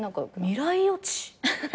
未来予知。